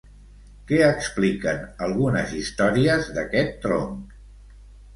Què expliquen algunes històries d'aquest tronc?